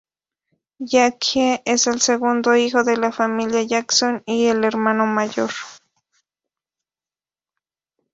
Jackie es el segundo hijo de la familia Jackson y el hermano mayor.